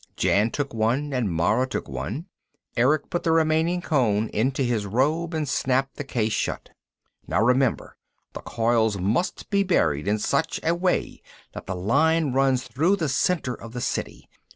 Jan took one and Mara took one. Erick put the remaining cone into his robe and snapped the case shut again. "Now remember, the coils must be buried in such a way that the line runs through the center of the City.